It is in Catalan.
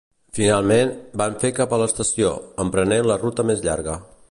Finalment, vam fer cap a l'estació, emprenent la ruta més llarga